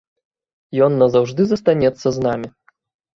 Ён назаўжды застанецца з намі.